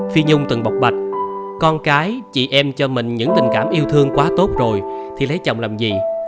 phi dung từng bộc bạch con cái chị em cho mình những tình cảm yêu thương quá tốt rồi thì lấy chồng làm gì